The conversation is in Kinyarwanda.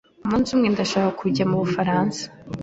Umunsi umwe ndashaka kujya mubufaransa.